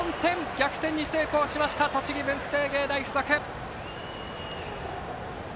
逆転に成功しました栃木・文星芸大付属。